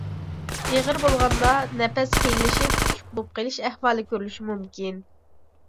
ئېغىر بولغاندا نەپەس قىيىنلىشىپ شۈك بولۇپ قېلىش ئەھۋالى كۆرۈلۈشى مۇمكىن.